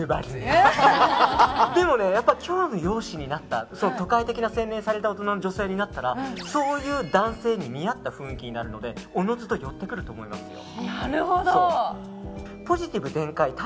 でもね、今日の容姿になったら都会的な洗練された大人の女性になったらそういう男性に見合った雰囲気になるのでおのずと寄ってくると思いますよ。